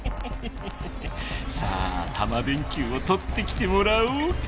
さあタマ電Ｑをとってきてもらおうか。